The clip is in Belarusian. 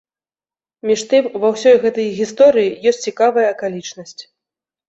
Між тым, ва ўсёй гэтай гісторыі ёсць цікавая акалічнасць.